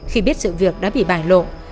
khi biết sự việc đã bị bài lộ